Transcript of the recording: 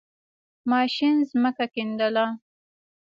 ماشین زَمکه کیندله.